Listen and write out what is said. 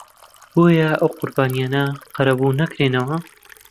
بۆیە ئەو قوربانییانە قەرەبوو ناکرێنەوە